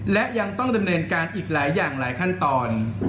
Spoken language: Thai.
และยังต้องดำเนินการอีกหลายอย่างหลายขั้นตอน